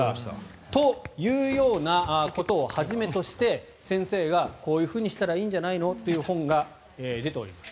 というようなことを始めとして先生がこういうふうにしたらいいんじゃないのという本が出ております。